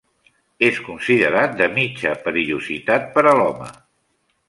És considerat de mitja perillositat per a l'home.